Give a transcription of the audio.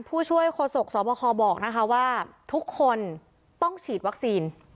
ผู้ช่วยโฆษกสวบคบอกนะคะว่าทุกคนต้องฉีดวัคซีน